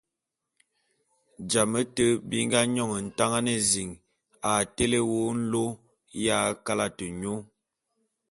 Jame té bi nga nyòn Ntangan ézin a tele wô nlô ya kalate nyô.